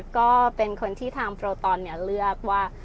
ก็เป็นคนที่ทางโปรตอนเลือกว่า